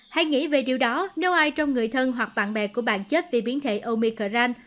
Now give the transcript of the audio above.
hay nghĩ về điều đó nếu ai trong người thân hoặc bạn bè của bạn chết vì biến thể omicrand